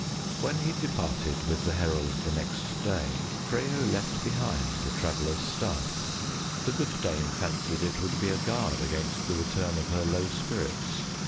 When he departed with the herald the next day, Freyo left behind the Traveler's staff; the good dame fancied it would be a guard against the return of her low spirits.